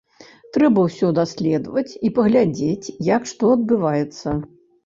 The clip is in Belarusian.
Трэба ўсё даследаваць і паглядзець, як што адбываецца.